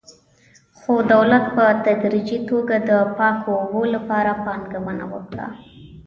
خو دولت په تدریجي توګه د پاکو اوبو لپاره پانګونه وکړه.